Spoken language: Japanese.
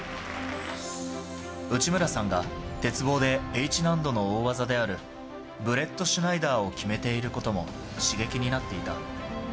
内村さんが鉄棒でＨ難度の大技であるブレットシュナイダーを決めていることも刺激になっていた。